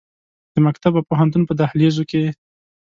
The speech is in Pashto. د مکتب او پوهنتون په دهلیزو کې